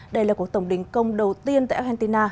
đây là cuộc tổng đình công đầu tiên tại argentina